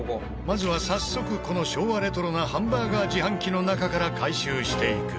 まずは早速この昭和レトロなハンバーガー自販機の中から回収していく。